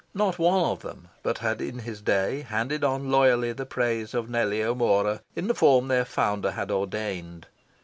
Not one of them but had in his day handed on loyally the praise of Nellie O'Mora, in the form their Founder had ordained.